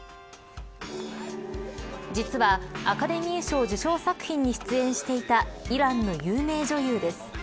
実は、アカデミー賞受賞作品に出演していたイランの有名女優です。